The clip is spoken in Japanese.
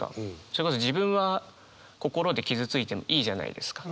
それこそ自分は心で傷ついてもいいじゃないですか。